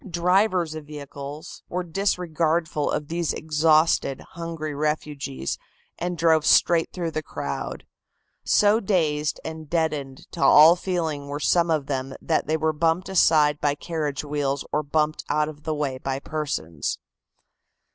Drivers of vehicles were disregardful of these exhausted, hungry refugees and drove straight through the crowd. So dazed and deadened to all feeling were some of them that they were bumped aside by carriage wheels or bumped out of the way by persons.